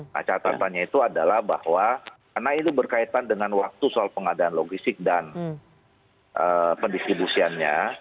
nah catatannya itu adalah bahwa karena itu berkaitan dengan waktu soal pengadaan logistik dan pendistribusiannya